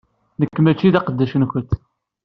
Nekk mačči d aqeddac-nkent.